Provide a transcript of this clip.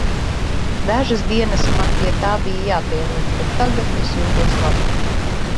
Dažas dienas man pie tā bija jāpierod, bet tagad es jūtos labi.